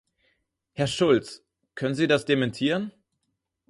Herr Schulz, können Sie das dementieren?